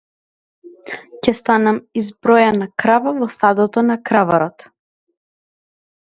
Ќе станам избројана крава во стадото на краварот.